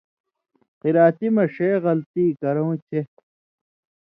قِراتی مہ ݜے غلطی کرؤں چے